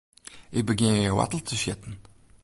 Ik begjin hjir woartel te sjitten.